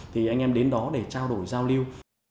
thì anh em đến đó để trao đổi giao lưu